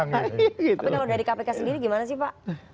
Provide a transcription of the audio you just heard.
tapi kalau dari kpk sendiri gimana sih pak